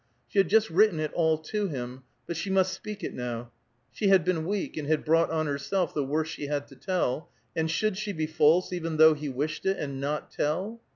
She had just written it all to him, but she must speak it now. She had been weak, and had brought on herself the worst she had to tell, and should she be false, even though he wished it, and not tell?